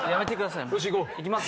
いきますよ。